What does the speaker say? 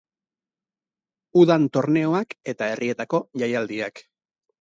Udan torneoak eta herrietako jaialdiak.